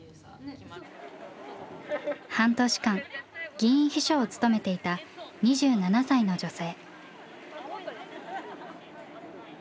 半年間議員秘書を務めていた２７歳の女性。